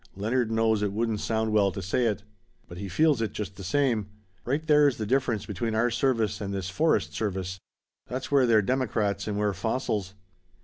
"Leonard knows it wouldn't sound well to say it. But he feels it, just the same. Right there's the difference between our service and this forest service. That's where they're democrats and we're fossils.